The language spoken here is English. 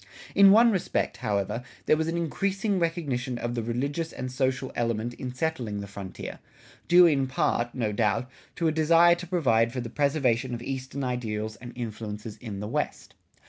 In one respect, however, there was an increasing recognition of the religious and social element in settling the frontier, due in part, no doubt, to a desire to provide for the preservation of eastern ideals and influences in the West.